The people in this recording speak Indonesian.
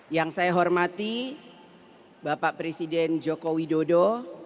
yang saya hormati bapak presiden joko widodo